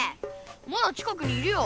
まだ近くにいるよ。